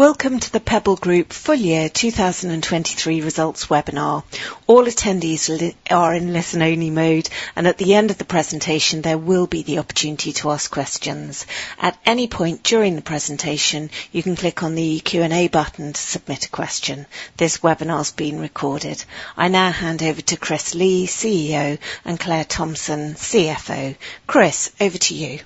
Welcome to the Pebble Group Full Year 2023 Results Webinar. All attendees are in listen-only mode, and at the end of the presentation there will be the opportunity to ask questions. At any point during the presentation you can click on the Q&A button to submit a question. This webinar's being recorded. I now hand over to Chris Lee, CEO, and Claire Thomson, CFO. Chris, over to you.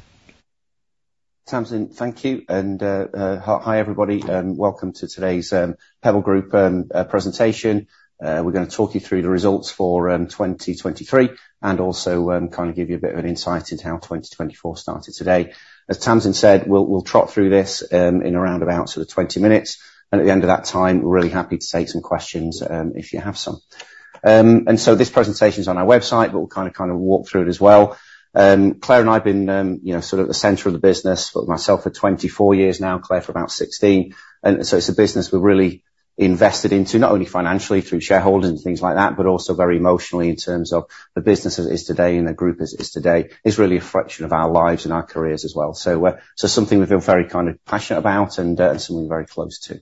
Thomson, thank you, and hi everybody, welcome to today's Pebble Group presentation. We're going to talk you through the results for 2023 and also kind of give you a bit of an insight into how 2024 started today. As Thomson said, we'll trot through this in a roundabout sort of 20 minutes, and at the end of that time we're really happy to take some questions, if you have some. And so this presentation's on our website, but we'll kind of walk through it as well. Claire and I've been, you know, sort of at the center of the business, but myself for 24 years now, Claire for about 16. And so it's a business we're really invested into, not only financially through shareholders and things like that, but also very emotionally in terms of the business as it is today and the group as it is today. It's really a fraction of our lives and our careers as well. So, something we feel very kind of passionate about and something we're very close to.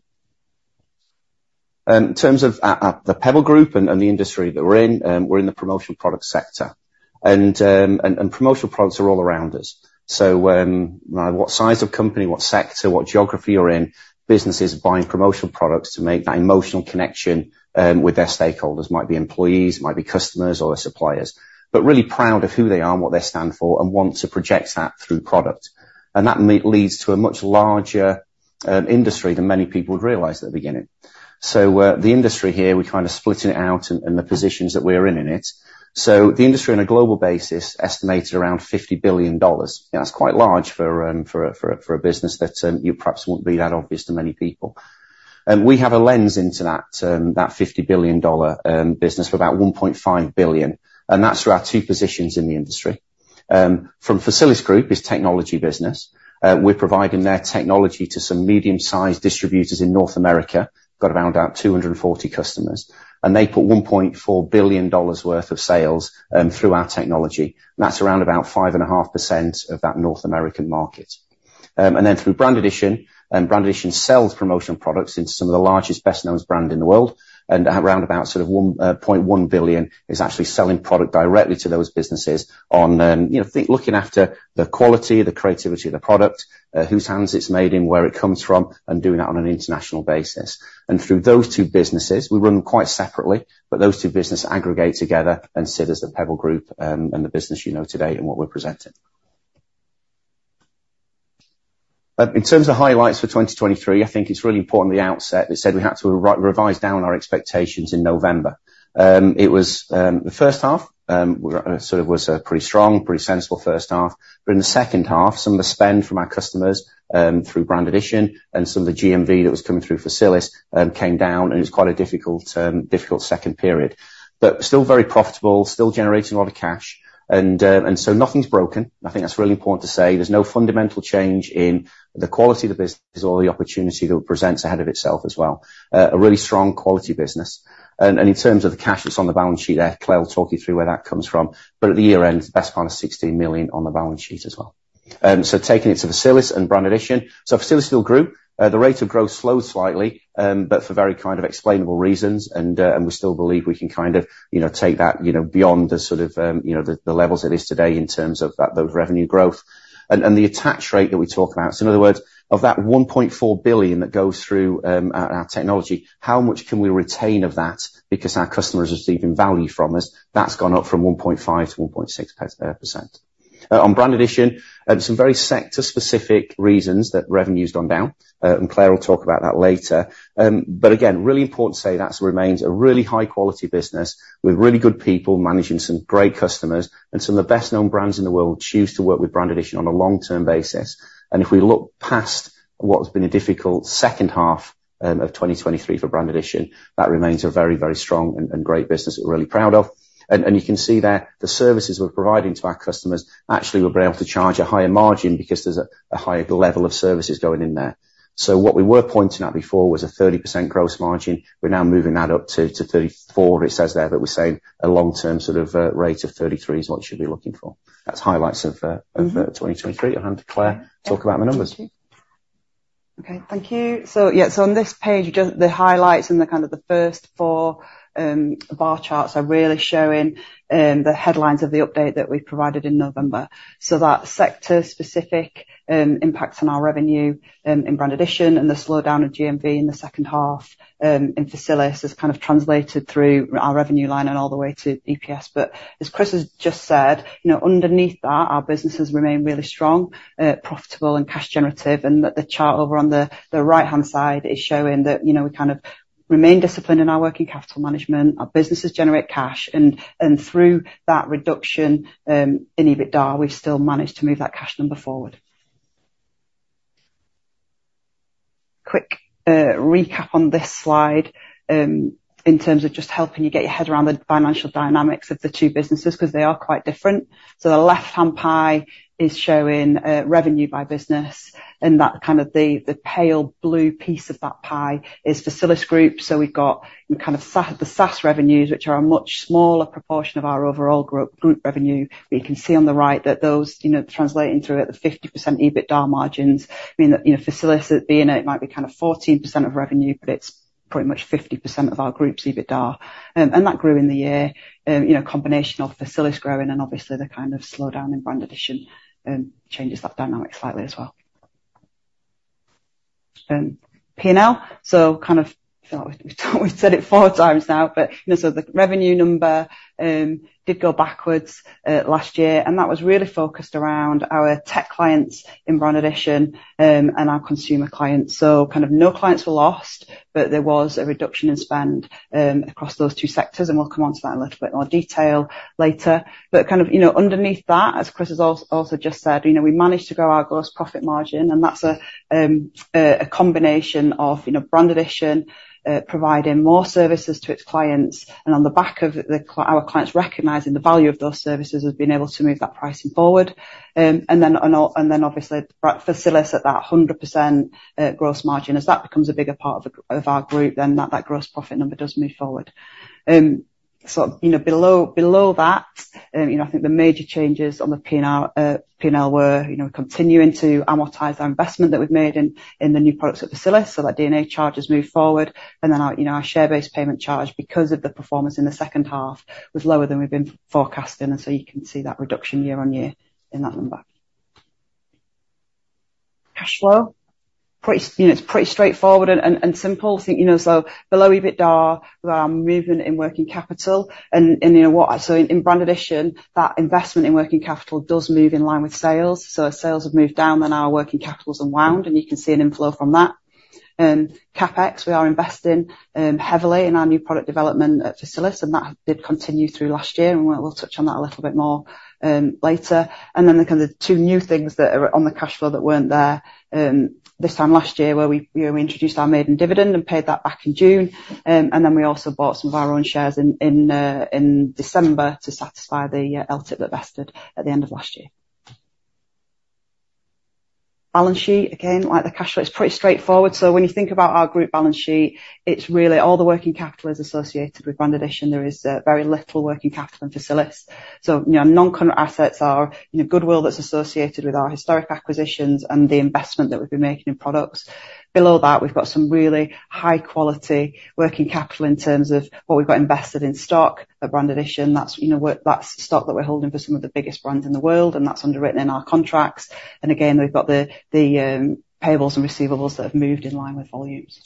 In terms of the Pebble Group and the industry that we're in, we're in the promotional product sector. And promotional products are all around us. So, no matter what size of company, what sector, what geography you're in, businesses are buying promotional products to make that emotional connection with their stakeholders. Might be employees, might be customers, or their suppliers. But really proud of who they are and what they stand for and want to project that through product. And that means leads to a much larger industry than many people would realize at the beginning. So, the industry here we're kind of splitting it out and the positions that we're in, in it. So the industry on a global basis estimated around $50 billion. Yeah, that's quite large for a business that you perhaps won't be that obvious to many people. We have a lens into that $50 billion business for about $1.5 billion, and that's through our two positions in the industry. From Facilisgroup is technology business. We're providing their technology to some medium-sized distributors in North America. Got around 240 customers. And they put $1.4 billion worth of sales through our technology. That's around 5.5% of that North American market. and then through Brand Addition, Brand Addition sells promotional products into some of the largest, best-known brands in the world, and at roundabout sort of $1.1 billion is actually selling product directly to those businesses on, you know, think looking after the quality, the creativity of the product, whose hands it's made in, where it comes from, and doing that on an international basis. And through those two businesses we run them quite separately, but those two businesses aggregate together and sit as the Pebble Group, and the business you know today and what we're presenting. In terms of highlights for 2023, I think it's really important at the outset that said we had to revise down our expectations in November. It was the first half, sort of was a pretty strong, pretty sensible first half. But in the second half, some of the spend from our customers, through Brand Addition and some of the GMV that was coming through Facilisgroup, came down, and it's quite a difficult, difficult second period. But still very profitable, still generating a lot of cash, and, and so nothing's broken. I think that's really important to say. There's no fundamental change in the quality of the business or the opportunity that it presents ahead of itself as well. A really strong quality business. And, and in terms of the cash that's on the balance sheet there, Claire will talk you through where that comes from, but at the year-end the best part is $16 million on the balance sheet as well. So taking it to Facilisgroup and Brand Addition. So Facilisgroup still grew. The rate of growth slowed slightly, but for very kind of explainable reasons, and, and we still believe we can kind of, you know, take that, you know, beyond the sort of, you know, the, the levels it is today in terms of that those revenue growth. And, and the attach rate that we talk about, so in other words, of that $1.4 billion that goes through, our, our technology, how much can we retain of that because our customers receive in value from us, that's gone up from 1.5% to 1.6%. On Brand Addition, some very sector-specific reasons that revenue's gone down, and Claire will talk about that later. But again, really important to say that remains a really high-quality business with really good people managing some great customers, and some of the best-known brands in the world choose to work with Brand Addition on a long-term basis. And if we look past what's been a difficult second half of 2023 for Brand Addition, that remains a very, very strong and great business that we're really proud of. And you can see there the services we're providing to our customers actually we're able to charge a higher margin because there's a higher level of services going in there. So what we were pointing at before was a 30% gross margin. We're now moving that up to 34% it says there, but we're saying a long-term sort of rate of 33% is what you should be looking for. That's highlights of 2023. I'll hand to Claire talk about the numbers. Thank you. Okay, thank you. So yeah, so on this page you just the highlights and the kind of the first four, bar charts are really showing, the headlines of the update that we've provided in November. So that sector-specific, impact on our revenue, in Brand Addition and the slowdown of GMV in the second half, in Facilisgroup has kind of translated through our revenue line and all the way to EPS. But as Chris has just said, you know, underneath that our businesses remain really strong, profitable and cash-generative, and that the chart over on the, the right-hand side is showing that, you know, we kind of remain disciplined in our working capital management, our businesses generate cash, and, and through that reduction, in EBITDA we've still managed to move that cash number forward. Quick recap on this slide, in terms of just helping you get your head around the financial dynamics of the two businesses because they are quite different. So the left-hand pie is showing revenue by business, and that kind of the pale blue piece of that pie is Facilisgroup. So we've got kind of SaaS revenues which are a much smaller proportion of our overall group revenue, but you can see on the right that those, you know, translating through it, the 50% EBITDA margins mean that, you know, Facilisgroup being it might be kind of 14% of revenue, but it's pretty much 50% of our group's EBITDA. And that grew in the year, you know, combination of Facilisgroup growing and obviously the kind of slowdown in Brand Addition changes that dynamic slightly as well. P&L. So kind of I feel like we've said it four times now, but, you know, so the revenue number did go backwards last year, and that was really focused around our tech clients in Brand Addition, and our consumer clients. So kind of no clients were lost, but there was a reduction in spend across those two sectors, and we'll come onto that in a little bit more detail later. But kind of, you know, underneath that, as Chris has also just said, you know, we managed to grow our gross profit margin, and that's a combination of, you know, Brand Addition providing more services to its clients, and on the back of our clients recognizing the value of those services as being able to move that pricing forward. and then, you know, and then obviously Brand Addition, Facilisgroup at that 100% gross margin, as that becomes a bigger part of our group, then that gross profit number does move forward. So, you know, below that, you know, I think the major changes on the P&L were, you know, continuing to amortize our investment that we've made in the new products at Facilisgroup, so that D&A charge has moved forward, and then our, you know, our share-based payment charge because of the performance in the second half was lower than we've been forecasting, and so you can see that reduction year-on-year in that number. Cash flow. Pretty straightforward, you know, it's pretty straightforward and simple. I think, you know, so below EBITDA we are moving in working capital, and, and, you know, what I saw in, in Brand Addition that investment in working capital does move in line with sales, so as sales have moved down then our working capital's unwound and you can see an inflow from that. CapEx we are investing, heavily in our new product development at Facilisgroup, and that did continue through last year, and we'll touch on that a little bit more, later. And then the kind of two new things that are on the cash flow that weren't there, this time last year where we, you know, we introduced our maiden dividend and paid that back in June, and then we also bought some of our own shares in December to satisfy the LTIP that vested at the end of last year. Balance sheet, again, like the cash flow it's pretty straightforward, so when you think about our group balance sheet it's really all the working capital is associated with Brand Addition. There is very little working capital in Facilisgroup. So, you know, non-current assets are, you know, goodwill that's associated with our historic acquisitions and the investment that we've been making in products. Below that we've got some really high-quality working capital in terms of what we've got invested in stock at Brand Addition. That's, you know, that's stock that we're holding for some of the biggest brands in the world, and that's underwritten in our contracts. And again we've got the payables and receivables that have moved in line with volumes.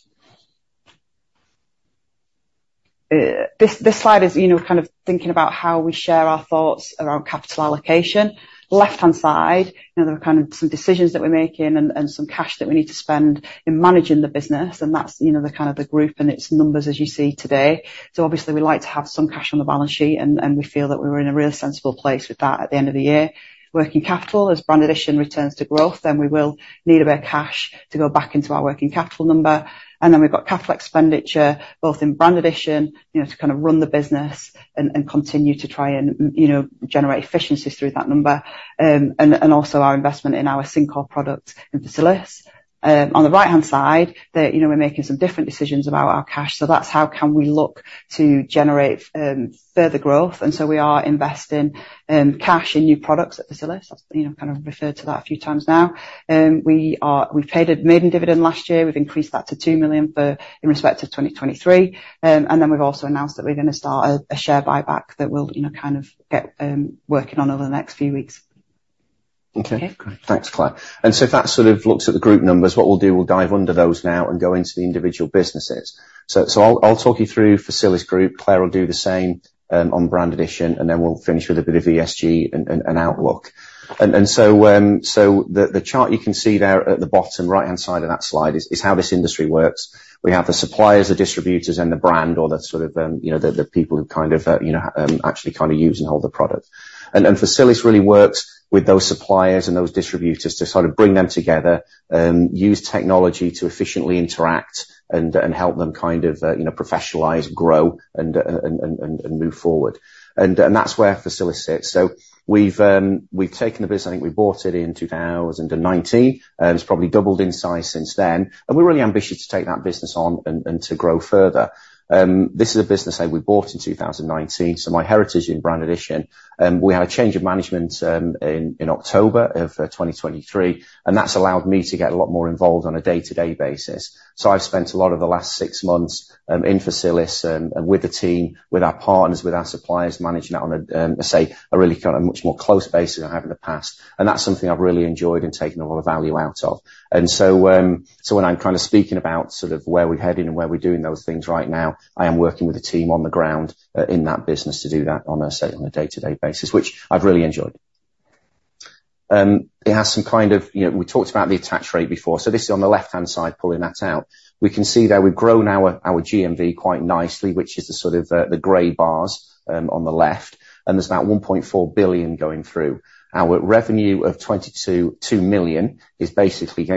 This slide is, you know, kind of thinking about how we share our thoughts around capital allocation. Left-hand side, you know, there are kind of some decisions that we're making and, and some cash that we need to spend in managing the business, and that's, you know, the kind of the group and its numbers as you see today. So obviously we like to have some cash on the balance sheet and, and we feel that we were in a really sensible place with that at the end of the year. Working capital, as Brand Addition returns to growth, then we will need a bit of cash to go back into our working capital number. And then we've got capital expenditure both in Brand Addition, you know, to kind of run the business and, and continue to try and, you know, generate efficiencies through that number, and, and also our investment in our Syncore products in Facilisgroup. On the right-hand side there, you know, we're making some different decisions about our cash, so that's how can we look to generate further growth. And so we are investing cash in new products at Facilisgroup. I've, you know, kind of referred to that a few times now. We've paid a maiden dividend last year. We've increased that to $2 million in respect of 2023, and then we've also announced that we're going to start a share buyback that we'll, you know, kind of get working on over the next few weeks. Okay. Thanks, Claire. And so if that sort of looks at the group numbers, what we'll do we'll dive under those now and go into the individual businesses. So I'll talk you through Facilisgroup. Claire will do the same on Brand Addition, and then we'll finish with a bit of ESG and outlook. And so the chart you can see there at the bottom, right-hand side of that slide is how this industry works. We have the suppliers, the distributors, and the brand, or the sort of, you know, the people who kind of, you know, actually kind of use and hold the product. Facilis really works with those suppliers and those distributors to sort of bring them together, use technology to efficiently interact and help them kind of, you know, professionalize, grow, and move forward. That's where Facilis sits. So we've taken the business. I think we bought it in 2019. It's probably doubled in size since then, and we're really ambitious to take that business on and to grow further. This is a business, say, we bought in 2019, so my heritage in Brand Addition. We had a change of management in October 2023, and that's allowed me to get a lot more involved on a day-to-day basis. So I've spent a lot of the last six months, in Facilisgroup, and with the team, with our partners, with our suppliers, managing that on a, I say, a really kind of much more close basis than I have in the past, and that's something I've really enjoyed and taken a lot of value out of. So when I'm kind of speaking about sort of where we're heading and where we're doing those things right now, I am working with a team on the ground, in that business to do that on a, say, on a day-to-day basis, which I've really enjoyed. It has some kind of, you know, we talked about the attach rate before, so this is on the left-hand side pulling that out. We can see there we've grown our GMV quite nicely, which is the sort of the grey bars on the left, and there's about $1.4 billion going through. Our revenue of $22.2 million is basically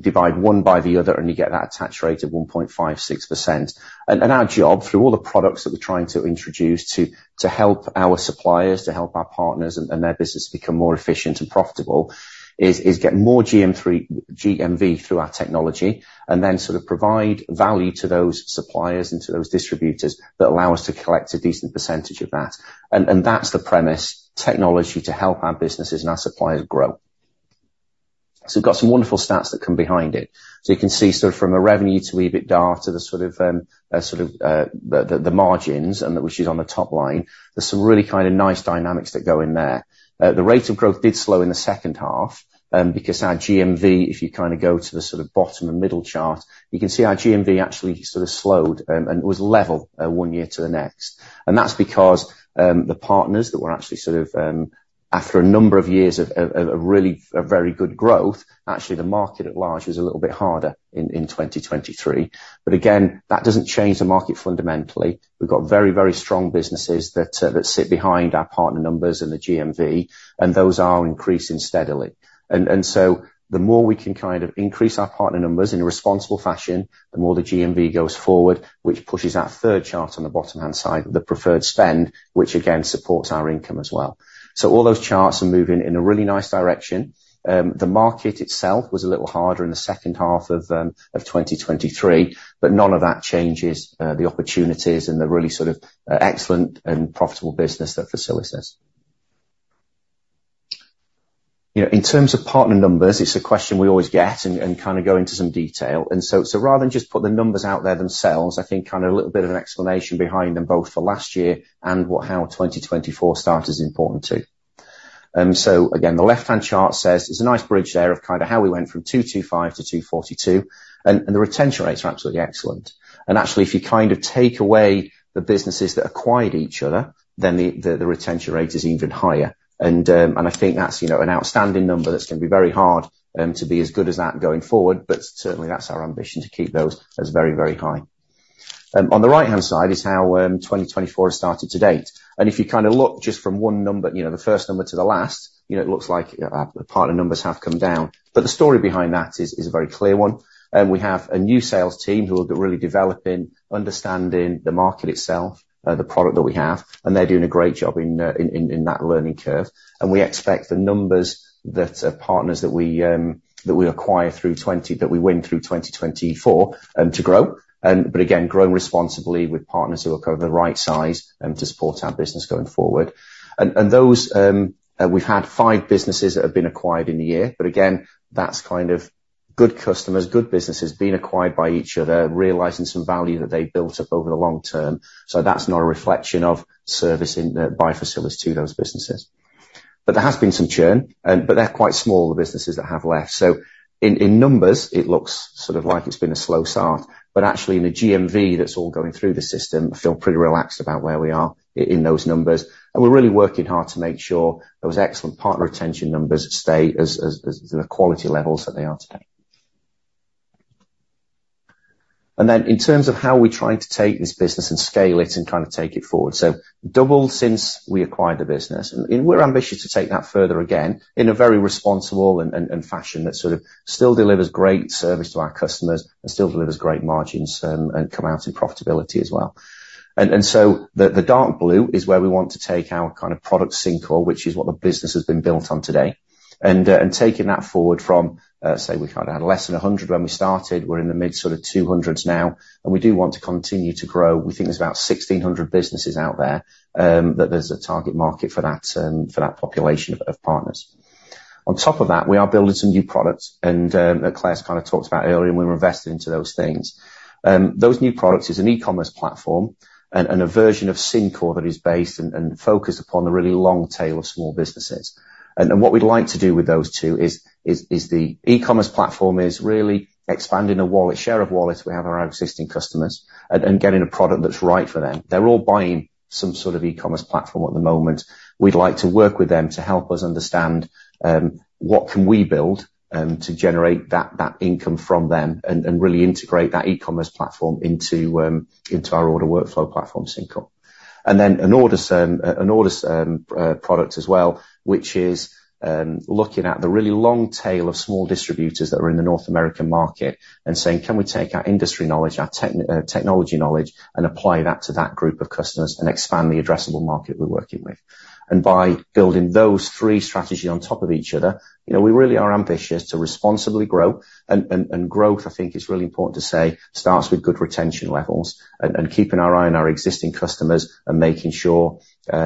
divide one by the other and you get that attach rate of 1.56%. And our job through all the products that we're trying to introduce to help our suppliers, to help our partners and their businesses become more efficient and profitable is to get more GMV through our technology and then sort of provide value to those suppliers and to those distributors that allow us to collect a decent percentage of that. And that's the premise: technology to help our businesses and our suppliers grow. So we've got some wonderful stats that come behind it. So you can see sort of from the revenue to EBITDA to the sort of margins, and that which is on the top line, there's some really kind of nice dynamics that go in there. The rate of growth did slow in the second half, because our GMV, if you kind of go to the sort of bottom and middle chart, you can see our GMV actually sort of slowed, and was level, one year to the next. And that's because the partners that were actually sort of, after a number of years of a really very good growth, actually the market at large was a little bit harder in 2023. But again, that doesn't change the market fundamentally. We've got very, very strong businesses that sit behind our partner numbers and the GMV, and those are increasing steadily. And so the more we can kind of increase our partner numbers in a responsible fashion, the more the GMV goes forward, which pushes that third chart on the bottom-hand side, the preferred spend, which again supports our income as well. So all those charts are moving in a really nice direction. The market itself was a little harder in the second half of 2023, but none of that changes the opportunities and the really sort of excellent and profitable business that Facilisgroup has. You know, in terms of partner numbers, it's a question we always get and kind of go into some detail. And so rather than just put the numbers out there themselves, I think kind of a little bit of an explanation behind them both for last year and what how 2024 started is important too. So again, the left-hand chart says there's a nice bridge there of kind of how we went from $225 to 242, and the retention rates are absolutely excellent. And actually if you kind of take away the businesses that acquired each other, then the retention rate is even higher. And I think that's, you know, an outstanding number that's going to be very hard to be as good as that going forward, but certainly that's our ambition to keep those as very, very high. On the right-hand side is how 2024 has started to date. And if you kind of look just from one number, you know, the first number to the last, you know, it looks like the partner numbers have come down. But the story behind that is a very clear one. We have a new sales team who are really developing, understanding the market itself, the product that we have, and they're doing a great job in that learning curve. We expect the numbers that partners that we acquire through 2020 that we win through 2024 to grow, but again, growing responsibly with partners who are kind of the right size to support our business going forward. And those, we've had five businesses that have been acquired in the year, but again, that's kind of good customers, good businesses being acquired by each other, realizing some value that they've built up over the long term. So that's not a reflection of servicing by Facilisgroup to those businesses. But there has been some churn, but they're quite small, the businesses that have left. So in numbers it looks sort of like it's been a slow start, but actually in the GMV that's all going through the system, I feel pretty relaxed about where we are in those numbers. And we're really working hard to make sure those excellent partner retention numbers stay as the quality levels that they are today. And then in terms of how we're trying to take this business and scale it and kind of take it forward. So doubled since we acquired the business, and we're ambitious to take that further again in a very responsible and fashion that sort of still delivers great service to our customers and still delivers great margins, and come out in profitability as well. So the dark blue is where we want to take our kind of product Syncore, which is what the business has been built on today, and taking that forward from, say, we kind of had less than 100 when we started; we're in the mid-200s now, and we do want to continue to grow. We think there's about 1,600 businesses out there that there's a target market for that population of partners. On top of that, we are building some new products that Claire's kind of talked about earlier, and we're invested into those things. Those new products is an e-commerce platform and a version of Syncore that is based and focused upon the really long tail of small businesses. What we'd like to do with those two is the e-commerce platform is really expanding our share of wallet with our existing customers, and getting a product that's right for them. They're all buying some sort of e-commerce platform at the moment. We'd like to work with them to help us understand what we can build to generate that income from them and really integrate that e-commerce platform into our order workflow platform Syncore. Then an order product as well, which is looking at the really long tail of small distributors that are in the North American market and saying, "Can we take our industry knowledge, our technology knowledge, and apply that to that group of customers and expand the addressable market we're working with?" And by building those three strategies on top of each other, you know, we really are ambitious to responsibly grow, and growth, I think, is really important to say, starts with good retention levels and keeping our eye on our existing customers and making sure we,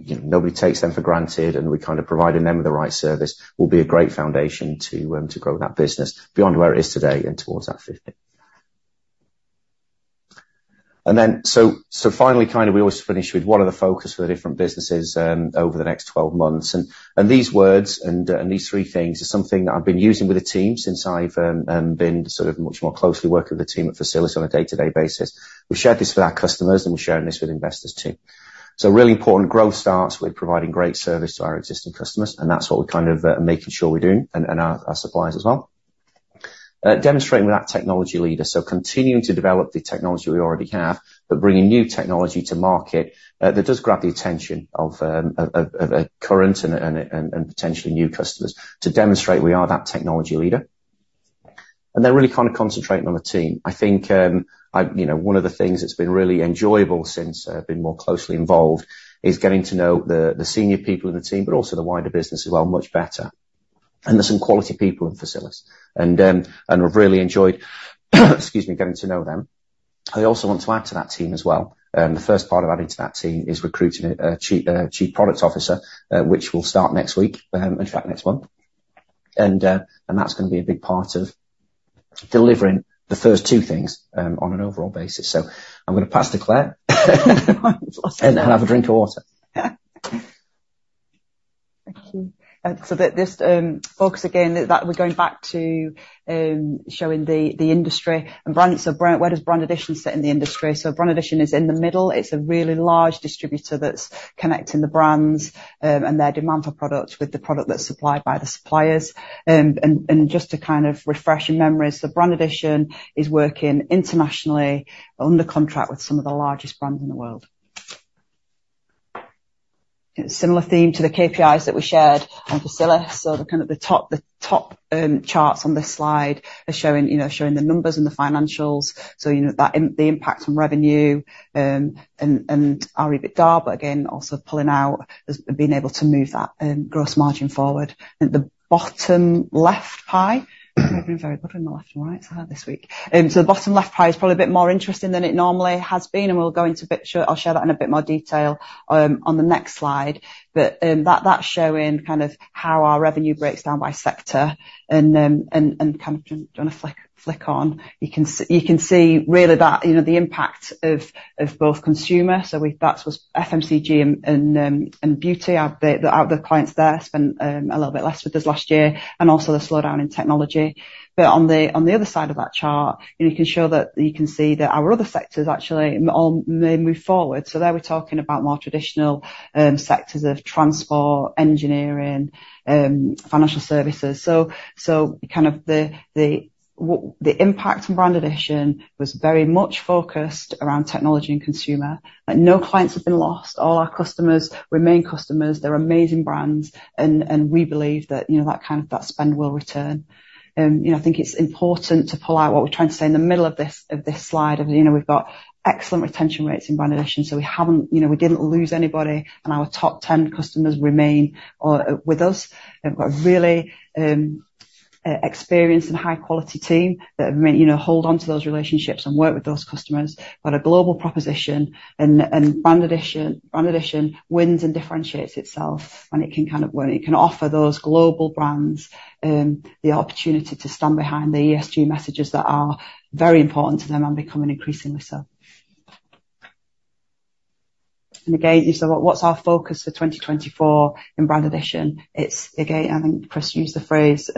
you know, nobody takes them for granted and we kind of providing them with the right service will be a great foundation to grow that business beyond where it is today and towards that 50. So finally, we always finish with what the focus for the different businesses over the next 12 months. These words and these three things are something that I've been using with the team since I've been sort of much more closely working with the team at Facilis on a day-to-day basis. We've shared this with our customers and we're sharing this with investors too. So really important, growth starts with providing great service to our existing customers, and that's what we're kind of making sure we're doing and our suppliers as well. Demonstrating that technology leadership, so continuing to develop the technology we already have but bringing new technology to market that does grab the attention of current and potentially new customers to demonstrate we are that technology leader. And then really kind of concentrating on the team. I think, you know, one of the things that's been really enjoyable since been more closely involved is getting to know the senior people in the team but also the wider business as well much better. There's some quality people in Facilisgroup, and I've really enjoyed, excuse me, getting to know them. I also want to add to that team as well, the first part of adding to that team is recruiting a chief product officer, which will start next week, in fact next month. And that's going to be a big part of delivering the first two things, on an overall basis. I'm going to pass to Claire. Have a drink of water. Thank you. So, to focus again, that we're going back to showing the industry. And Brand Addition, so Brand Addition, where does Brand Addition sit in the industry? So Brand Addition is in the middle. It's a really large distributor that's connecting the brands, and their demand for products with the product that's supplied by the suppliers. And, just to kind of refresh your memories, so Brand Addition is working internationally under contract with some of the largest brands in the world. Similar theme to the KPIs that we shared on Facilisgroup. So the kind of the top charts on this slide are showing, you know, showing the numbers and the financials. So, you know, that is the impact on revenue, and our EBITDA, but again, also pulling out as being able to move that gross margin forward. The bottom left pie I've been very good with my left and right, so how this week. So the bottom left pie is probably a bit more interesting than it normally has been, and we'll go into a bit more, I'll share that in a bit more detail on the next slide. But that, that's showing kind of how our revenue breaks down by sector and kind of doing a flick on. You can see really that, you know, the impact of both consumer. So that was FMCG and Beauty. Our clients there spent a little bit less with us last year and also the slowdown in technology. But on the other side of that chart, you know, you can see that our other sectors actually all may move forward. So there we're talking about more traditional sectors of transport, engineering, financial services. So kind of the impact on Brand Addition was very much focused around technology and consumer. Like, no clients have been lost. All our customers remain customers. They're amazing brands, and we believe that, you know, that kind of spend will return. You know, I think it's important to pull out what we're trying to say in the middle of this slide, you know, we've got excellent retention rates in Brand Addition, so we haven't, you know, we didn't lose anybody, and our top 10 customers remain with us. We've got a really experienced and high-quality team that have remained, you know, hold onto those relationships and work with those customers. We've got a global proposition, and Brand Addition Brand Addition wins and differentiates itself, and it can kind of, when it can offer those global brands, the opportunity to stand behind the ESG messages that are very important to them and becoming increasingly so. And again, you said what, what's our focus for 2024 in Brand Addition? It's again, I think Chris used the phrase,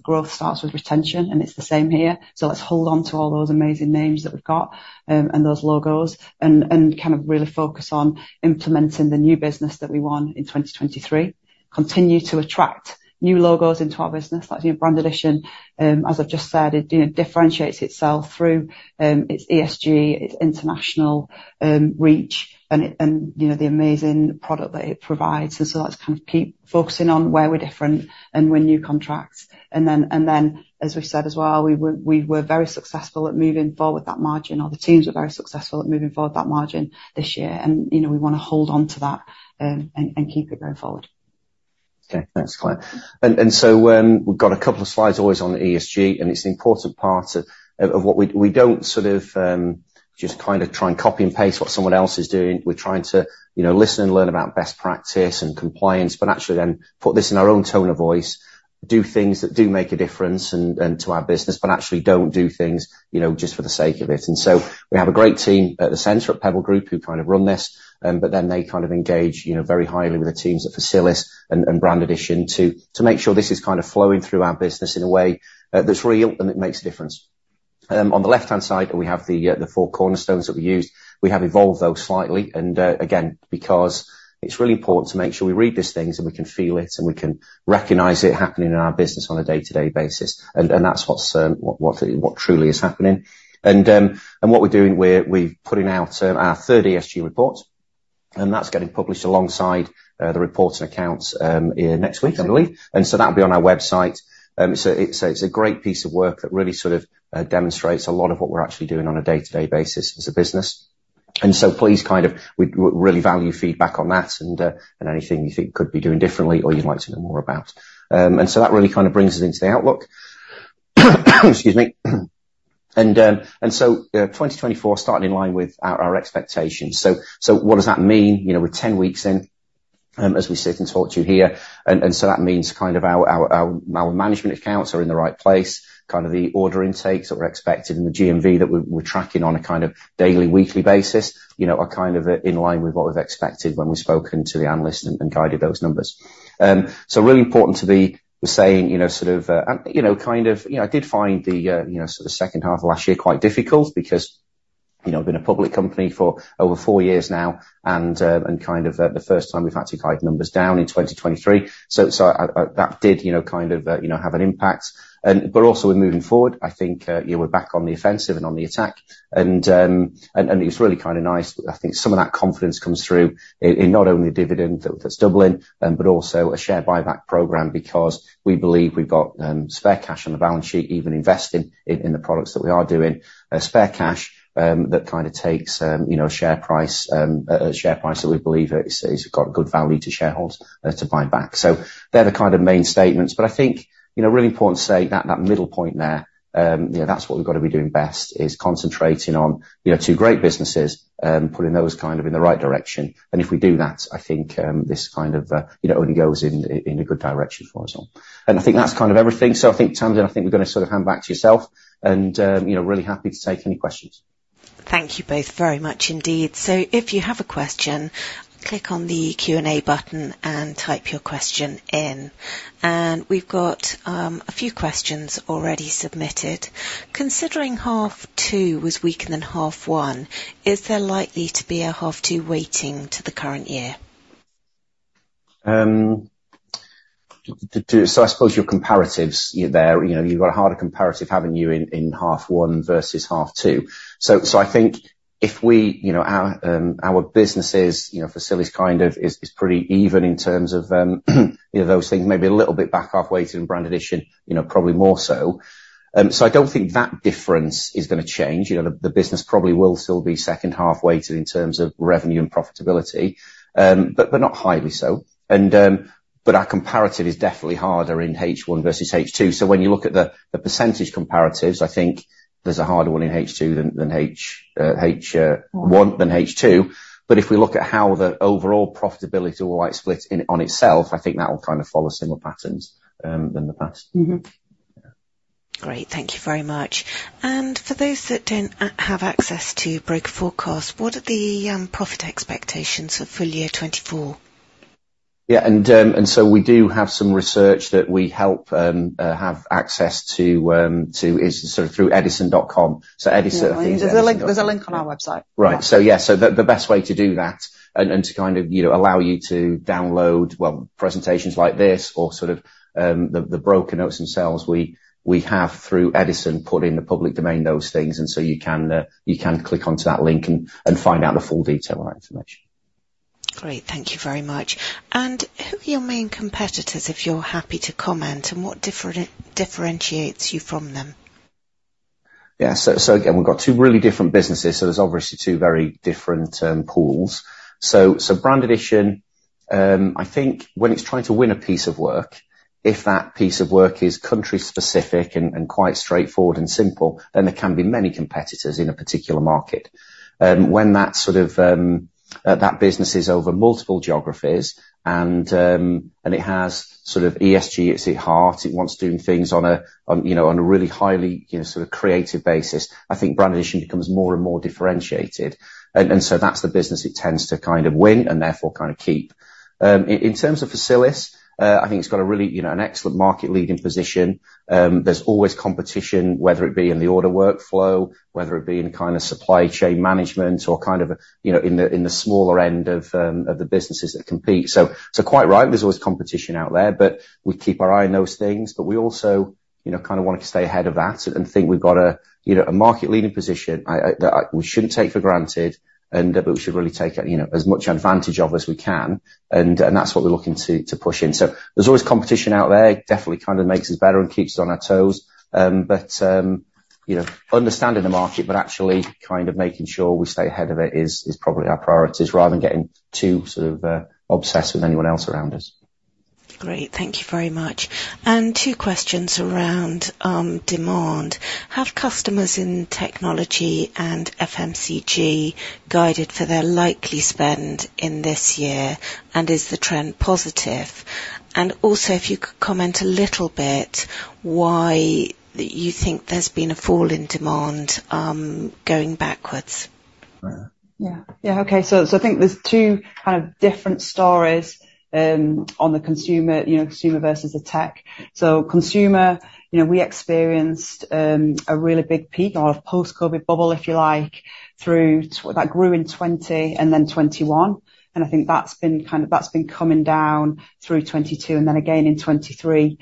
growth starts with retention, and it's the same here. So let's hold onto all those amazing names that we've got, and those logos, and kind of really focus on implementing the new business that we won in 2023. Continue to attract new logos into our business. That's, you know, Brand Addition, as I've just said, it, you know, differentiates itself through its ESG, its international reach, and it and, you know, the amazing product that it provides. And so let's kind of keep focusing on where we're different and win new contracts. And then, as we've said as well, we were very successful at moving forward that margin, or the teams were very successful at moving forward that margin this year. And, you know, we want to hold onto that, and keep it going forward. Okay. Thanks, Claire. So, we've got a couple of slides always on the ESG, and it's an important part of what we don't sort of just kind of try and copy and paste what someone else is doing. We're trying to, you know, listen and learn about best practice and compliance, but actually then put this in our own tone of voice, do things that do make a difference and to our business but actually don't do things, you know, just for the sake of it. And so we have a great team at the center at The Pebble Group who kind of run this, but then they kind of engage, you know, very highly with the teams at Facilisgroup and Brand Addition to, to make sure this is kind of flowing through our business in a way that's real and it makes a difference. On the left-hand side, we have the four cornerstones that we used. We have evolved those slightly and, again, because it's really important to make sure we read these things and we can feel it and we can recognize it happening in our business on a day-to-day basis. And that's what's what it truly is happening. And what we're doing, we're putting out our third ESG report, and that's getting published alongside the reports and accounts here next week, I believe. And so that'll be on our website. It's a great piece of work that really sort of demonstrates a lot of what we're actually doing on a day-to-day basis as a business. And so please kind of we'd really value feedback on that and anything you think could be doing differently or you'd like to know more about. And so that really kind of brings us into the outlook. Excuse me. And so 2024 starting in line with our expectations. So what does that mean? You know, we're 10 weeks in, as we sit and talk to you here. And so that means kind of our management accounts are in the right place, kind of the order intakes that we're expecting and the GMV that we're tracking on a kind of daily, weekly basis, you know, are kind of in line with what we've expected when we've spoken to the analysts and guided those numbers. So really important to be saying, you know, sort of, I did find the, you know, sort of second half of last year quite difficult because, you know, we've been a public company for over four years now and, kind of, the first time we've actually had our numbers down in 2023. So that did, you know, kind of, have an impact. But also we're moving forward. I think, yeah, we're back on the offensive and on the attack. It was really kind of nice. I think some of that confidence comes through in not only the dividend that's doubling, but also a share buyback program because we believe we've got spare cash on the balance sheet, even investing in the products that we are doing. That kind of takes, you know, a share price that we believe it's got good value to shareholders to buy back. So they're the kind of main statements. But I think, you know, really important to say that middle point there, you know, that's what we've got to be doing best is concentrating on, you know, two great businesses, putting those kind of in the right direction. And if we do that, I think this kind of, you know, only goes in a good direction for us all. And I think that's kind of everything. So I think, Tamsin, I think we're going to sort of hand back to yourself and, you know, really happy to take any questions. Thank you both very much indeed. So if you have a question, click on the Q&A button and type your question in. And we've got a few questions already submitted. Considering half two was weaker than half one, is there likely to be a half two weighting to the current year? So I suppose your comparatives, you know, they're, you know, you've got a harder comparative, haven't you, in half one versus half two? So I think if we, you know, our businesses, you know, Facilisgroup kind of is pretty even in terms of, you know, those things, maybe a little bit back half weighted in Brand Addition, you know, probably more so. So I don't think that difference is going to change. You know, the business probably will still be second half weighted in terms of revenue and profitability, but not highly so. But our comparative is definitely harder in H1 versus H2. So when you look at the percentage comparatives, I think there's a harder one in H2 than H1 than H2. But if we look at how the overall profitability all like split in on itself, I think that will kind of follow similar patterns than the past. Great. Thank you very much. For those that don't have access to broker forecast, what are the profit expectations for full year 2024? Yeah. And so we do have some research that we have access to is sort of through Edison.com. So Edison I think is our. Yeah. There's a link on our website. Right. So yeah. So the best way to do that and to kind of, you know, allow you to download, well, presentations like this or sort of, the broker notes themselves, we have through Edison put in the public domain those things. And so you can click onto that link and find out the full detail on that information. Great. Thank you very much. And who are your main competitors, if you're happy to comment, and what differentiates you from them? Yeah. So, so again, we've got two really different businesses. So there's obviously two very different pools. So, so Brand Addition, I think when it's trying to win a piece of work, if that piece of work is country-specific and, and quite straightforward and simple, then there can be many competitors in a particular market. When that sort of, that business is over multiple geographies and, and it has sort of ESG at its heart, it wants doing things on a on, you know, on a really highly, you know, sort of creative basis, I think Brand Addition becomes more and more differentiated. And, and so that's the business it tends to kind of win and therefore kind of keep. In terms of Facilisgroup, I think it's got a really, you know, an excellent market leading position. There's always competition, whether it be in the order workflow, whether it be in kind of supply chain management or kind of a, you know, in the smaller end of the businesses that compete. So quite right, there's always competition out there, but we keep our eye on those things. But we also, you know, kind of want to stay ahead of that and think we've got a, you know, a market leading position that we shouldn't take for granted, but we should really take it, you know, as much advantage of as we can. And that's what we're looking to push in. So there's always competition out there. Definitely kind of makes us better and keeps us on our toes. But, you know, understanding the market but actually kind of making sure we stay ahead of it is probably our priorities rather than getting too sort of obsessed with anyone else around us. Great. Thank you very much. Two questions around demand. Have customers in technology and FMCG guided for their likely spend in this year, and is the trend positive? Also, if you could comment a little bit why that you think there's been a fall in demand, going backwards. Yeah. Yeah. Okay. So, so I think there's two kind of different stories, on the consumer you know, consumer versus the tech. So consumer, you know, we experienced a really big peak or a post-COVID bubble, if you like, through that grew in 2020 and then 2021. And I think that's been kind of coming down through 2022 and then again in 2023,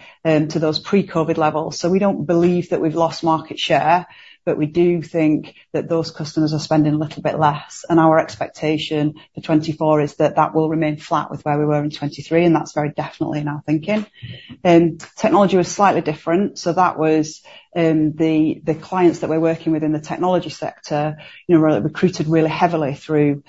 to those pre-COVID levels. So we don't believe that we've lost market share, but we do think that those customers are spending a little bit less. And our expectation for 2024 is that that will remain flat with where we were in 2023, and that's very definitely in our thinking. Technology was slightly different. So that was the clients that we're working with in the technology sector, you know, were recruited really heavily through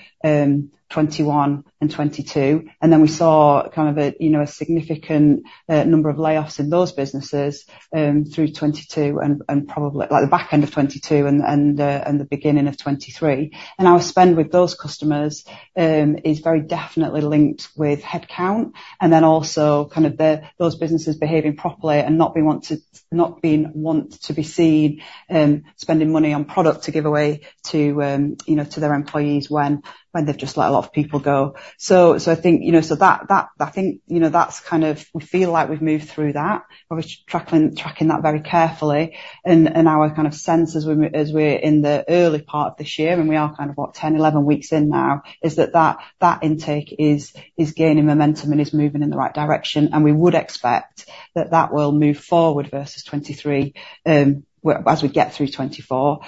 2021 and 2022. And then we saw kind of a, you know, a significant number of layoffs in those businesses, through 2022 and probably like the back end of 2022 and the beginning of 2023. And our spend with those customers is very definitely linked with headcount and then also kind of those businesses behaving properly and not wanting to be seen spending money on product to give away to, you know, to their employees when they've just let a lot of people go. So I think, you know, so that I think, you know, that's kind of we feel like we've moved through that. We're tracking that very carefully. And our kind of sense as we're in the early part of this year, and we are kind of, what, 10, 11 weeks in now, is that that intake is gaining momentum and is moving in the right direction. And we would expect that that will move forward versus 2023, as we get through 2024.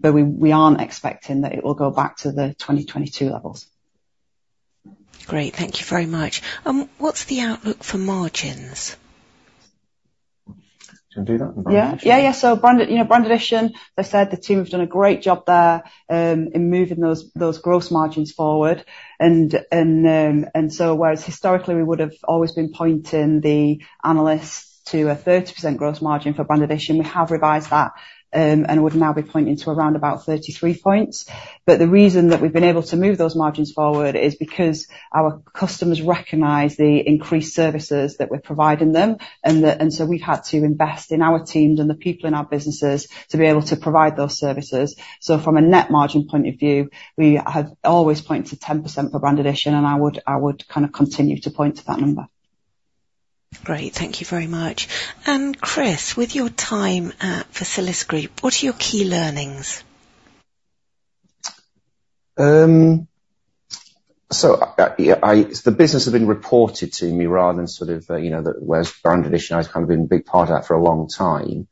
But we aren't expecting that it will go back to the 2022 levels. Great. Thank you very much. What's the outlook for margins? Do you want to do that in Brand Addition? Yeah. Yeah. Yeah. So branded, you know, Brand Addition, they said the team have done a great job there, in moving those gross margins forward. And so whereas historically, we would have always been pointing the analysts to a 30% gross margin for Brand Addition, we have revised that, and would now be pointing to around about 33 points. But the reason that we've been able to move those margins forward is because our customers recognize the increased services that we're providing them and that, and so we've had to invest in our teams and the people in our businesses to be able to provide those services. So from a net margin point of view, we have always pointed to 10% for Brand Addition, and I would kind of continue to point to that number. Great. Thank you very much. And Chris, with your time at Facilisgroup, what are your key learnings? So the business have been reported to me rather than sort of, you know, the whereas Brand Addition, I've kind of been a big part of that for a long time.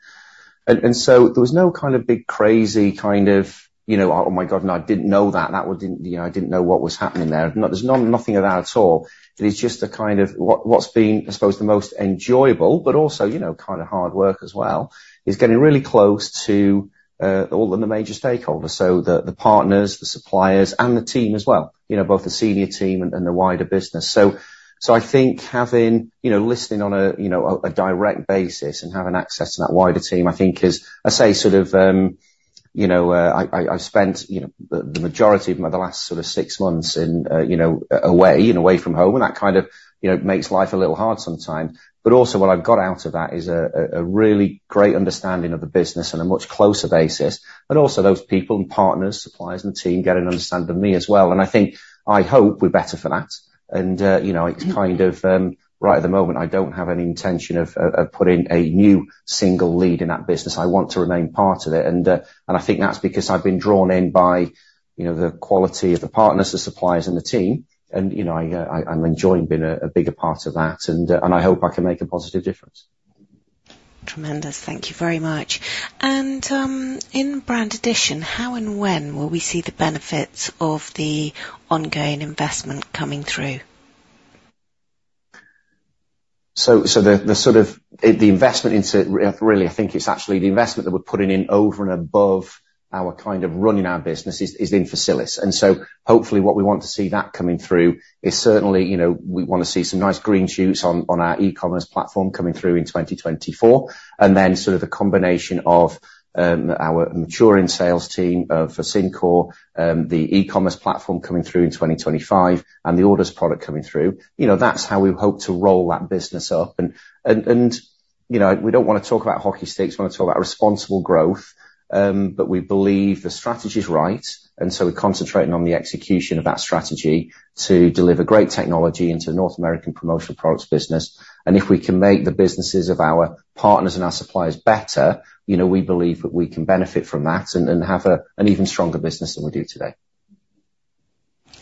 And so there was no kind of big crazy kind of, you know, "Oh, my God. No, I didn't know that. That would didn't you know, I didn't know what was happening there." There's not nothing of that at all. It is just a kind of what's been, I suppose, the most enjoyable but also, you know, kind of hard work as well, is getting really close to all the major stakeholders. So the partners, the suppliers, and the team as well, you know, both the senior team and the wider business. So, I think having, you know, listened on a, you know, a direct basis and having access to that wider team, I think is sort of, you know, I've spent, you know, the majority of the last sort of six months away from home. And that kind of, you know, makes life a little hard sometimes. But also what I've got out of that is a really great understanding of the business on a much closer basis. But also those people and partners, suppliers, and the team get an understanding of me as well. And I think I hope we're better for that. And, you know, it's kind of right at the moment, I don't have any intention of putting a new single lead in that business. I want to remain part of it. I think that's because I've been drawn in by, you know, the quality of the partners, the suppliers, and the team. You know, I'm enjoying being a bigger part of that. I hope I can make a positive difference. Tremendous. Thank you very much. And, in Brand Addition, how and when will we see the benefits of the ongoing investment coming through? So, the sort of investment into it really, I think it's actually the investment that we're putting in over and above our kind of running our business is in Facilisgroup. And so hopefully, what we want to see that coming through is certainly, you know, we want to see some nice green shoots on our e-commerce platform coming through in 2024. And then the combination of our maturing sales team of Facilisgroup Syncore, the e-commerce platform coming through in 2025, and the Orders product coming through, you know, that's how we hope to roll that business up. And, you know, we don't want to talk about hockey sticks. We want to talk about responsible growth, but we believe the strategy's right. And so we're concentrating on the execution of that strategy to deliver great technology into the North American promotional products business. And if we can make the businesses of our partners and our suppliers better, you know, we believe that we can benefit from that and have an even stronger business than we do today.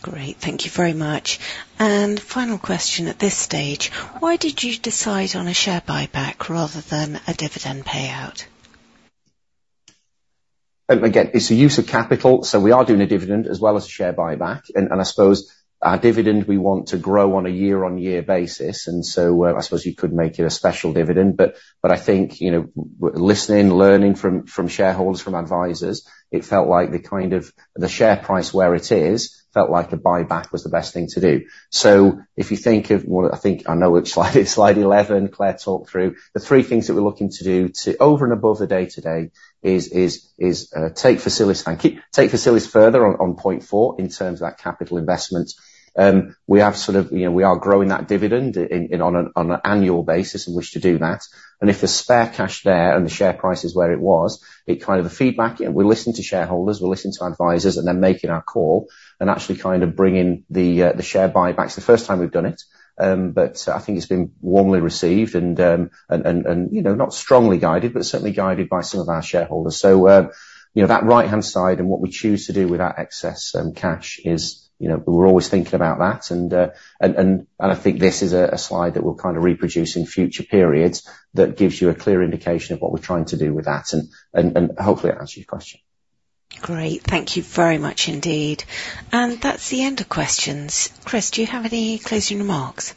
Great. Thank you very much. Final question at this stage, why did you decide on a share buyback rather than a dividend payout? Again, it's a use of capital. So we are doing a dividend as well as a share buyback. And I suppose our dividend, we want to grow on a year-on-year basis. And so, I suppose you could make it a special dividend. But I think, you know, listening, learning from shareholders, from advisors, it felt like the share price where it is felt like a buyback was the best thing to do. So if you think of, well, I think I know which slide it's—slide 11, Claire talked through. The three things that we're looking to do, over and above the day-to-day, is take Facilisgroup and keep take Facilisgroup further on point four in terms of that capital investment. We have, sort of, you know, we are growing that dividend in on an annual basis and wish to do that. And if the spare cash there and the share price is where it was, it kind of a feedback and we listen to shareholders, we listen to advisors, and then make it our call and actually kind of bring in the share buyback. It's the first time we've done it, but I think it's been warmly received and, you know, not strongly guided but certainly guided by some of our shareholders. So, you know, that right-hand side and what we choose to do with that excess cash is, you know, we're always thinking about that. I think this is a slide that we'll kind of reproduce in future periods that gives you a clear indication of what we're trying to do with that and hopefully, it answers your question. Great. Thank you very much indeed. That's the end of questions. Chris, do you have any closing remarks?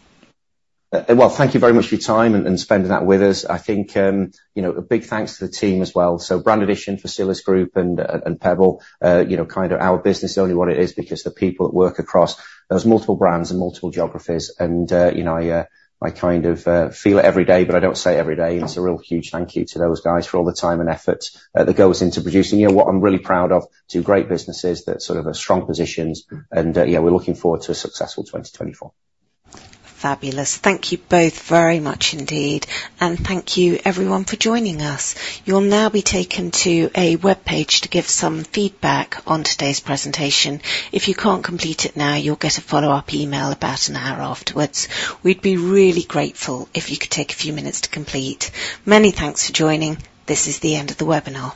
Well, thank you very much for your time and, and spending that with us. I think, you know, a big thanks to the team as well. So Brand Addition, Facilisgroup, and, and Pebble, you know, kind of our business is only what it is because the people that work across those multiple brands and multiple geographies. And, you know, I, I kind of, feel it every day, but I don't say every day. And it's a real huge thank you to those guys for all the time and effort, that goes into producing, you know, what I'm really proud of, two great businesses that sort of have strong positions. And, yeah, we're looking forward to a successful 2024. Fabulous. Thank you both very much indeed. And thank you, everyone, for joining us. You'll now be taken to a webpage to give some feedback on today's presentation. If you can't complete it now, you'll get a follow-up email about an hour afterwards. We'd be really grateful if you could take a few minutes to complete. Many thanks for joining. This is the end of the webinar.